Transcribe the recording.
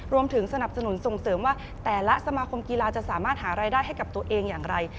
รวมถึงสนับสนุนส่งเสริมว่าแต่ละสมาคมกีฬาจะสามารถหารายได้ให้กับตัวเองอย่างไร